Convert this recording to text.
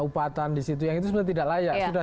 upatan di situ yang itu sebenarnya tidak layak sudah